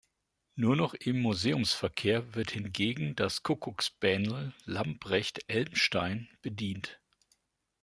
Nur noch im Museumsverkehr wird hingegen das Kuckucksbähnel Lambrecht–Elmstein bedient.